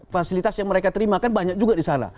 fasilitas yang mereka terima kan banyak juga disana